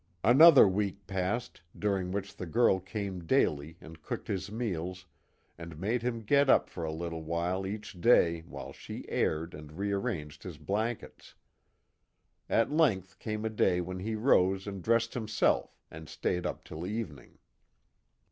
Another week passed, during which the girl came daily and cooked his meals, and made him get up for a little while each day while she aired and rearranged his blankets. At length came a day when he rose and dressed himself and stayed up till evening.